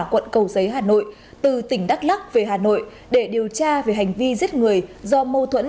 quận cầu giấy hà nội từ tỉnh đắk lắc về hà nội để điều tra về hành vi giết người do mâu thuẫn